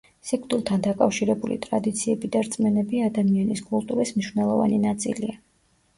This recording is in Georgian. სიკვდილთან დაკავშირებული ტრადიციები და რწმენები ადამიანის კულტურის მნიშვნელოვანი ნაწილია.